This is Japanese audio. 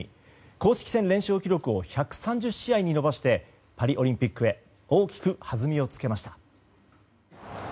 公式戦連勝記録を１３０試合を目指して、パリオリンピックへ大きく弾みを付けました。